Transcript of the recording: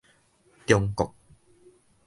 中國